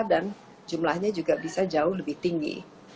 dan jumlahnya juga bisa jauh lebih tinggi